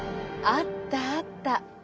あったあった！